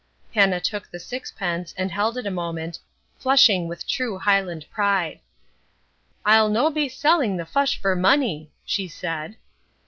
Hannah took the sixpence and held it a moment, flushing with true Highland pride. "I'll no be selling the fush for money," she said.